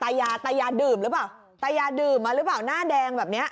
ตายาตายาดื่มหรือเปล่าตายาดื่มมาหรือเปล่าหน้าแดงแบบเนี้ย